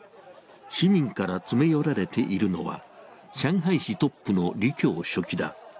市民から詰め寄られているのは上海市トップの李強書記だ。